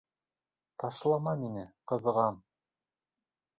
- Ташлама мине, ҡыҙған...